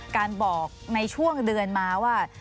การบอกในช่วงเดือนมาว่า